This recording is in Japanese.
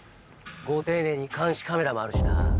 ご丁寧に監視カメラもあるしな。